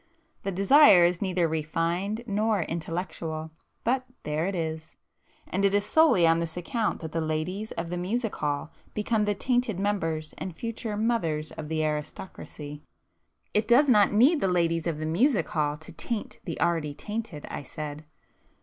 The desire is neither refined nor intellectual, but there it is,—and it is solely on this account that the 'ladies' of the music hall become the tainted members and future mothers of the aristocracy." "It does not need the ladies of the music hall to taint the already tainted!" I said.